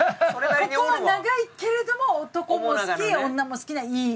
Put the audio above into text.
ここは長いけれども男も好き女も好きないい美人なんですよ